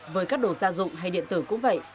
với các đồ gia dụng hay điện tử cũng vậy